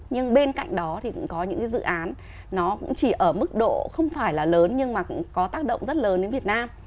nhưng bên cạnh đó thì cũng có những cái dự án nó cũng chỉ ở mức độ không phải là lớn nhưng mà cũng có tác động rất lớn đến việt nam